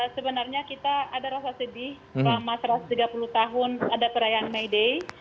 sebenarnya kita ada rasa sedih selama satu ratus tiga puluh tahun ada perayaan may day